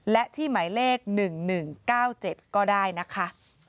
๐๒๗๑๖๔๐๔๔และที่หมายเลข๑๑๙๗ก็ได้นะคะ